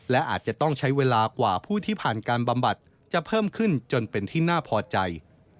และอาจจะต้องใช้เวลากว่าผู้ที่ผ่านการบำบัดจะเพิ่มขึ้นจนเป็นที่น่าพอใจ